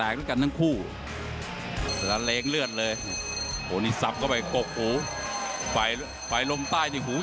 โน้ทไล่อยู่ในหู